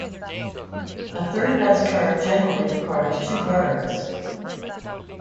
A third best card generally requires two guards.